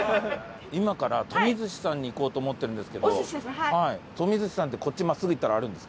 今からトミズシさんに行こうと思ってるんですけどトミズシさんってこっち真っすぐ行ったらあるんですか？